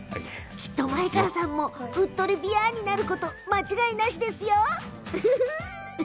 きっと前川さんもうっとりびあん！になること間違いなしですよ。